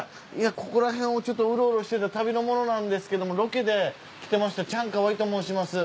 ここらへんをちょっとウロウロしてた旅の者なんですけどもロケで来てましてチャン・カワイと申します。